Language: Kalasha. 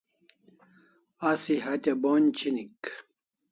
Asi hatya bon'j chinik